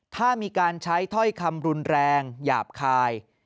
ถ้ามีการใช้ถ้อยคำรุนแรงหยาบคาย